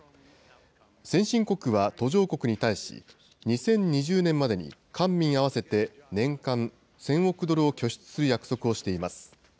先進国は途上国に対し、２０２０年までに、官民合わせて年間１０００億ドルを拠出する約束をしています。